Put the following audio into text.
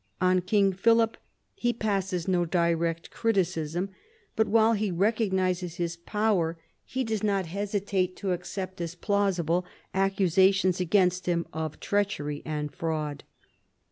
On King Philip he passes no direct criticism, but while he recog nises his power, he does not hesitate to accept as plausible accusations against him of treachery and fraud.